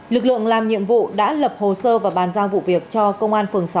lực lượng làm nhiệm vụ đã lập hồ sơ và bàn giao vụ việc cho công an phường sáu